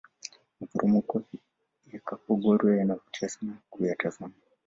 maporomoko yakaporogwe yanavutia sana kuyatazama